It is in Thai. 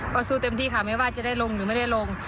ก็สู้เต็มที่ค่ะไม่ว่าจะได้ลงหรือไม่ได้ลง